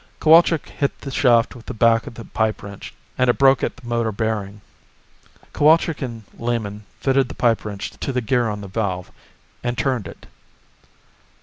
Cowalczk hit the shaft with the back of the pipe wrench, and it broke at the motor bearing. Cowalczk and Lehman fitted the pipe wrench to the gear on the valve, and turned it.